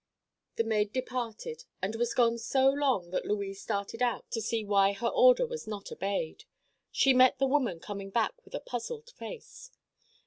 The maid departed and was gone so long that Louise started out to see why her order was not obeyed. She met the woman coming back with a puzzled face.